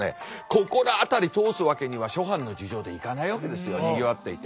ここら辺り通すわけには諸般の事情でいかないわけですよにぎわっていて。